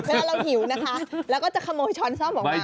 เวลาเราหิวนะคะแล้วก็จะขโมยช้อนซ่อมออกมา